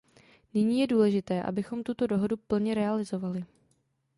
Nyní je důležité, abychom tuto dohodu plně realizovali.